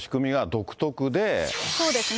そうですね。